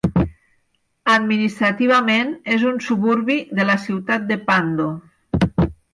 Administrativament, és un suburbi de la ciutat de Pando.